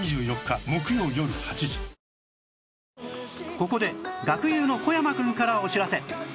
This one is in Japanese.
ここで学友の小山くんからお知らせ